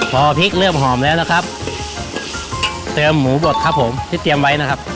พอพริกเริ่มหอมแล้วนะครับเติมหมูบดครับผมที่เตรียมไว้นะครับ